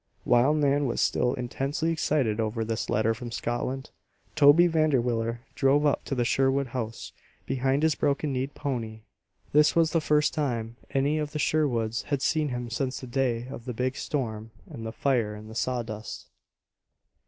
While Nan was still intensely excited over this letter from Scotland, Toby Vanderwiller drove up to the Sherwood house behind his broken kneed pony. This was the first time any of the Sherwoods had seen him since the day of the big storm and the fire in the sawdust.